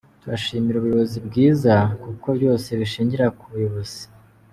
Turashimira ubuyobozi bwiza kuko byose bishingira ku buyobozi.”